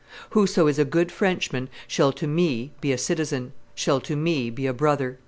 Whoso is a good Frenchman, shall to me be a citizen, shall to me be a brother."